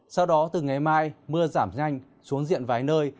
sau đó từ ngày mai mưa giảm nhanh xuống diện vài nơi